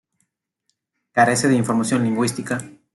Carece de información lingüística.